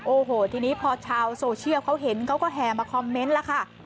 โอ้โหทีนี้พอชาวโซเชียลเขาเห็นเขาก็แห่มาคอมเมนต์แล้วค่ะ